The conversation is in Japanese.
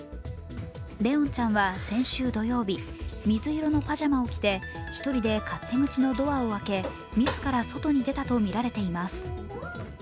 怜音ちゃんは先週土曜日、水色のパジャマを着て１人で勝手口のドアを開け自ら外に出たとみられています。